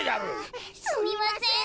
すみません。